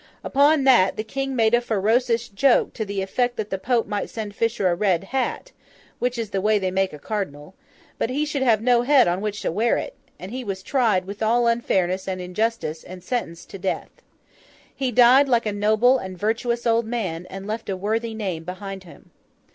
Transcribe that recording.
Upon that the King made a ferocious joke to the effect that the Pope might send Fisher a red hat—which is the way they make a cardinal—but he should have no head on which to wear it; and he was tried with all unfairness and injustice, and sentenced to death. He died like a noble and virtuous old man, and left a worthy name behind him.